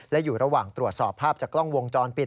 และอยู่ระหว่างตรวจสอบภาพจากกล้องวงจรปิด